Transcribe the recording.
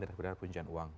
dari pendidikan uang